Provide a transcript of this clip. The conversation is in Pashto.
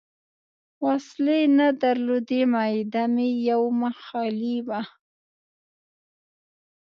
وسلې نه درلودې، معده مې یو مخ خالي وه.